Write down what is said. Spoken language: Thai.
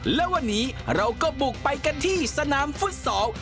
และวันนี้เราก็บุกไปกันที่สนามฟุตซอล